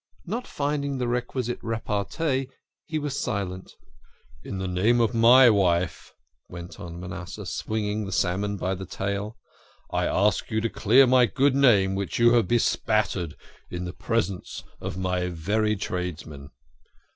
Not finding the requisite repartee he was silent. " In the name of my wife," went on Manasseh, swinging the salmon by the tail, " I ask you to clear my good name which you have bespattered in the presence of my very tradesmen.